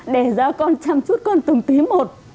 để ra con chăm chút con từng tí một